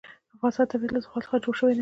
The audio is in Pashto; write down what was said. د افغانستان طبیعت له زغال څخه جوړ شوی دی.